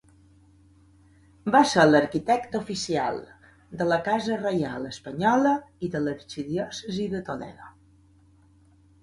Va ser l'arquitecte oficial de la Casa Reial espanyola i de l'Arxidiòcesi de Toledo.